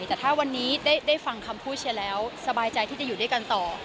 แต่ถ้าวันนี้ได้ฟังคำพูดเชียร์แล้วสบายใจที่จะอยู่ด้วยกันต่อ